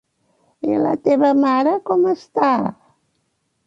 I la teva mare, com està?